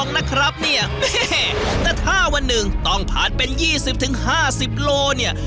แต่ถ้าวันนึงต้องผัดเป็น๒๐ถึง๕๐โลเนี่ย